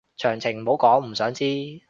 詳情唔好講，唔想知